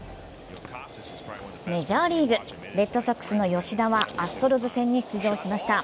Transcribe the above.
メジャーリーグ、レッドソックスの吉田はアストロズ戦に出場しました。